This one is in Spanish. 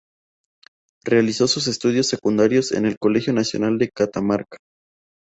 Realizó sus estudios secundarios en el Colegio Nacional de Catamarca.